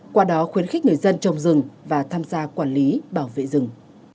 qua đó khuyến khích người dân trồng rừng và tham gia quản lý bảo vệ rừng